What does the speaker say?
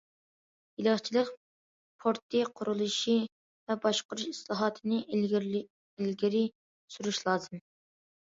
بېلىقچىلىق پورتى قۇرۇلۇشى ۋە باشقۇرۇش ئىسلاھاتىنى ئىلگىرى سۈرۈش لازىم.